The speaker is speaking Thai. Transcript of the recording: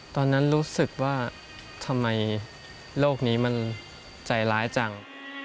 ตอนนั้นรู้สึกว่าทำไมโลกนี้มันใจร้ายจัง